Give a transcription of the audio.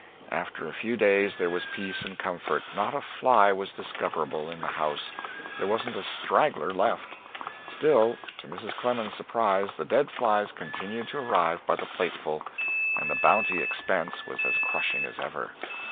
After a few days there was peace and comfort; not a fly was discoverable in the house: there wasn't a straggler left. Still, to Mrs. Clement's surprise, the dead flies continued to arrive by the plateful, and the bounty expense was as crushing as ever.